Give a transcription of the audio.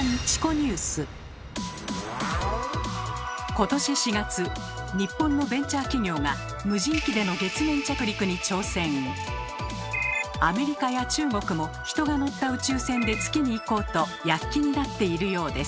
今年４月日本のベンチャー企業が無人機でのアメリカや中国も人が乗った宇宙船で月に行こうと躍起になっているようです。